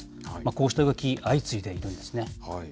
こうした動き、相次いでいるんですね。